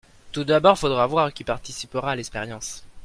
tout d'abord il faudra voir qui participera à l'expérience.